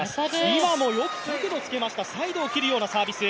今もよく角度をつけました、サイドを切るようなサービス。